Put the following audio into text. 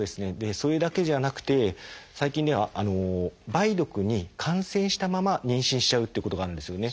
それだけじゃなくて最近では梅毒に感染したまま妊娠しちゃうっていうことがあるんですよね。